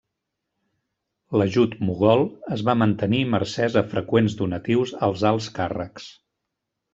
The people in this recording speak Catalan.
L'ajut mogol es va mantenir mercès a freqüents donatius als alts càrrecs.